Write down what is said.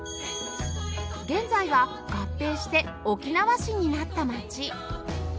現在は合併して沖縄市になった町